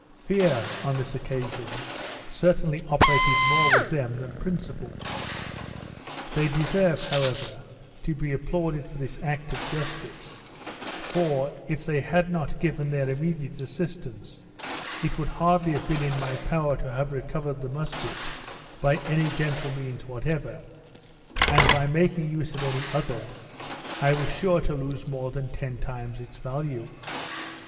Fear, on this occasion, certainly operated more with them than principle. They deserve, however, to be applauded for this act of justice, for, if they had not given their immediate assistance, it would hardly have been in my power to have recovered the musquet, by any gentle means whatever, and by making use of any other, I was sure to lose more than ten times its value.